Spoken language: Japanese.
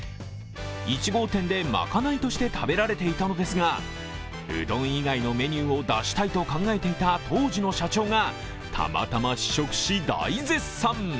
１号店で、まかないとして食べられていたのですが、うどん以外のメニューを出したいと考えていた当時の社長がたまたま試食し、大絶賛。